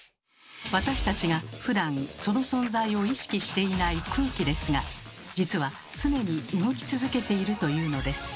私たちがふだんその存在を意識していない空気ですが実は常に動き続けているというのです。